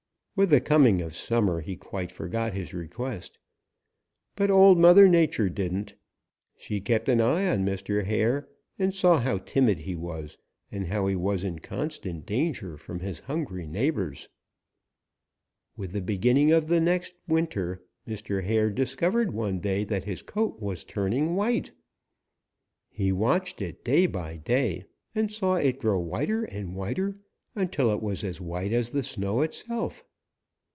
With the coming of summer he quite forgot his request. But Old Mother Nature didn't. She kept an eye on Mr. Hare and she saw how timid he was and how he was in constant danger from his hungry neighbors. With the beginning of the next winter, Mr. Hare discovered one day that his coat was turning white. He watched it day by day and saw it grow whiter and whiter until it was as white as the snow itself.